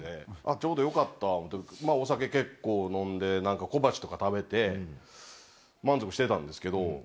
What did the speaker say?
ちょうどよかった思うてお酒結構飲んで小鉢とか食べて満足してたんですけど。